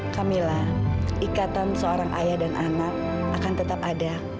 kamila ikatan seorang ayah dan anak akan tetap ada